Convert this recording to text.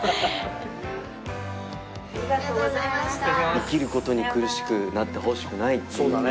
生きることに苦しくなってほしくないっていうね。